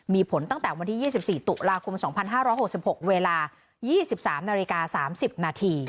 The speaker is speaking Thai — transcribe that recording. มีผลตั้งแต่วันที่๒๔ตุลาคมสองพันห้าร้อยหกสิบหกเวลายี่สิบสามนาฬิกาสามสิบนาที